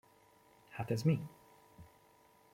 Hát ez mi?